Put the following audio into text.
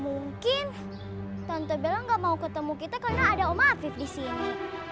mungkin tante bella gak mau ketemu kita karena ada oma afif di sini